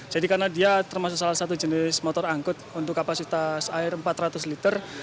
jadi karena dia termasuk salah satu jenis motor angkut untuk kapasitas air empat ratus liter